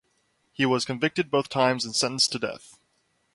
He was convicted both times and sentenced to death.